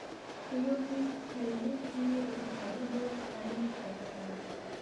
په یو ویشت کلنۍ کې یې د کتابونو تالیف پیل کړ.